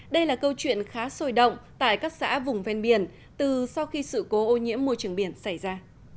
đây là câu chuyện khá sôi động tại các xã vùng ven biển từ sau khi sự cố ô nhiễm môi trường biển xảy ra